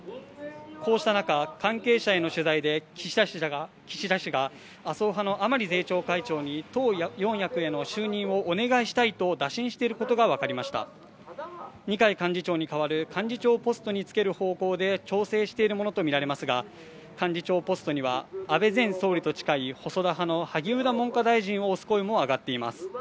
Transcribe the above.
こうした中関係者への取材で岸田氏が麻生派の甘利税調会長に党四役への就任をお願いしたいと打診していることが分かりました二階幹事長に代わる幹事長ポストにつける方向で調整しているものと見られますが幹事長ポストには安倍前総理と近い細田派の萩生田文科大臣を推す声も上がっています